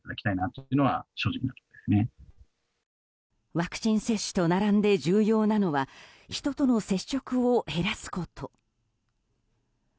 ワクチン接種と並んで重要なのは人との接触を減らすこと。